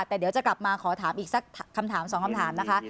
แต่เดี๋ยวจะกลับมาขอถามอีกสักคำถามสองคำถามนะคะ